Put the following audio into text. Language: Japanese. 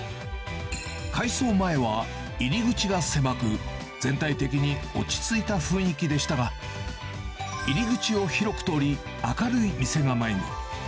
改装前は入り口が狭く、全体的に落ち着いた雰囲気でしたが、入り口を広く取り、明るい店構えに。